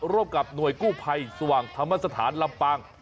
ร่วมกับหน่วยกู้ภัยสว่างธรรมสถานลำปาง